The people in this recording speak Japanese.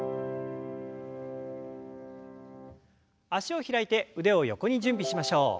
脚を開いて腕を横に準備しましょう。